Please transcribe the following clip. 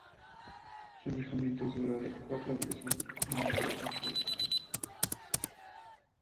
Su añejamiento dura de cuatro meses y medio a seis.